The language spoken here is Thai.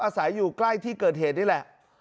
อาศัยอยู่ใกล้ที่เกิดเหตุนี่แหละ